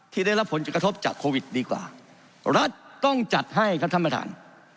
ที่ได้รับผลจะกระทบจากโควิดดีกว่ารัฐต้องจัดให้ครับธรรมฐาน